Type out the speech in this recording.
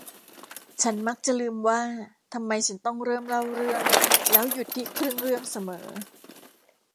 ฉันมักจะลืมว่าทำไมฉันต้องเริ่มเล่าเรื่องแล้วหยุดที่ครึ่งเรื่องเสมอ